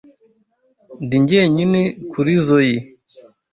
Ndi jyenyine kurizoi.